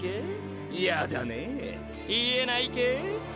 やだねぇ言えない系？